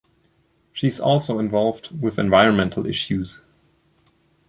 She is also involved with environmental issues.